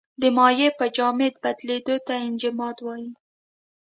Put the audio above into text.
د مایع په جامد بدلیدو ته انجماد وايي.